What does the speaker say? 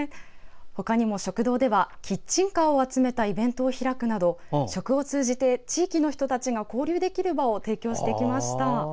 他にも食堂ではキッチンカーを集めたイベントを開くなど食を通じて地域の人たちが交流できる場を提供してきました。